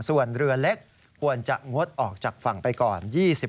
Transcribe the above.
ส่วนเรือเล็กควรจะงดออกจากฝั่งไปก่อน